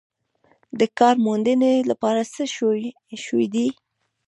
د کار موندنې لپاره څه شوي دي؟